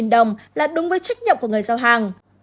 ba mươi đồng là đúng với trách nhiệm của người giao hàng